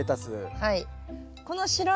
はい。